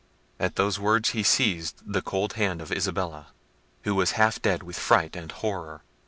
At those words he seized the cold hand of Isabella, who was half dead with fright and horror.